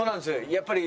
やっぱり。